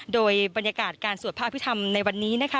โดยบรรยากาศการสวดพระอภิษฐรรมในวันนี้นะคะ